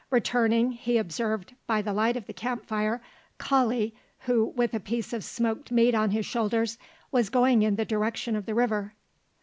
Returning, he observed, by the light of the camp fire, Kali who, with a piece of smoked meat on his shoulders, was going in the direction of the river.